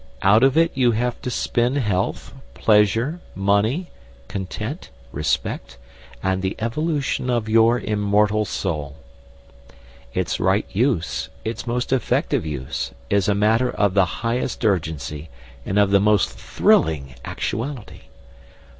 Out of it you have to spin health, pleasure, money, content, respect, and the evolution of your immortal soul. Its right use, its most effective use, is a matter of the highest urgency and of the most thrilling actuality.